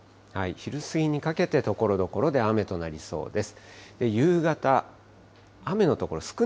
昼過ぎにかけてところどころで雨となりそうです。